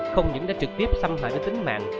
không những đã trực tiếp xâm hại đến tính mạng